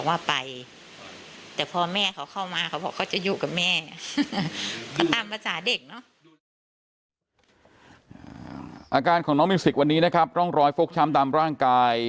อาการของน้องมิวสิกวันนี้นะครับร่องรอยฟกช้ำตามร่างกาย